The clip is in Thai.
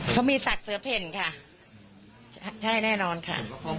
เขามีศักดิ์เสือเพ่นค่ะใช่แน่นอนค่ะ